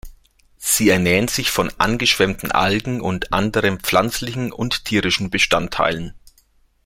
Sie ernähren sich von angeschwemmten Algen und anderen pflanzlichen und tierischen Bestandteilen.